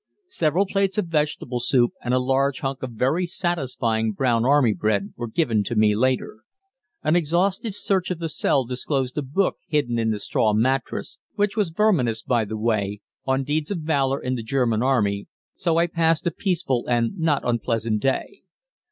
Several plates of vegetable soup and a large hunk of very satisfying brown army bread were given to me later. An exhaustive search of the cell disclosed a book hidden in the straw mattress (which was verminous, by the way) on deeds of valor in the German army, so I passed a peaceful and not unpleasant day.